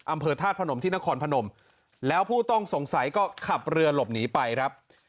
อำเภอธาตุพนมที่นครพนมแล้วผู้ต้องสงสัยก็ขับเรือหลบหนีไปครับ